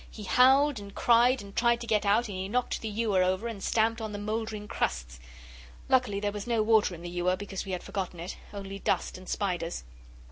He howled and cried and tried to get out, and he knocked the ewer over and stamped on the mouldering crusts. Luckily there was no water in the ewer because we had forgotten it, only dust and spiders.